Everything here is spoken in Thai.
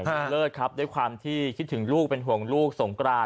คุณเลิศครับด้วยความที่คิดถึงลูกเป็นห่วงลูกสงกราน